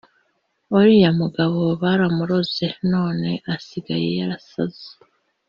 uriya mugabo baramuroze none asigaye yarasaze